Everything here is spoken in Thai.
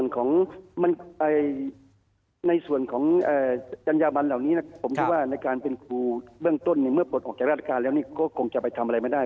ในส่วนของจัญญาบันเหล่านี้ผมคิดว่าในการเป็นครูเบื้องต้นเมื่อปลดออกจากราชการแล้วก็คงจะไปทำอะไรไม่ได้